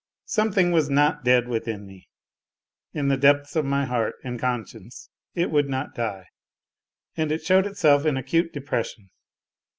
Some thing was not dead within me, in the depths of my heart and conscience it would not die, and it showed itself in acute depres sion.